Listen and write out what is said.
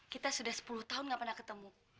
kita sudah sepuluh tahun gak pernah ketemu